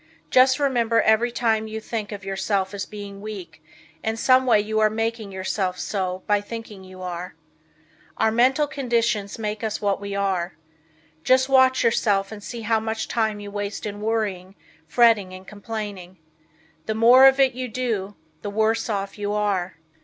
Just remember every time you think of yourself as being weak, in some way you are making yourself so by thinking you are. Our mental conditions make us what we are. Just watch yourself and see how much time you waste in worrying, fretting and complaining. The more of it you do the worse off you are.